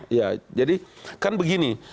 iya jadi kan begini